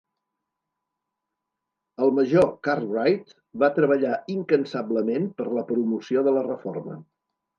El major Cartwright va treballar incansablement per la promoció de la reforma.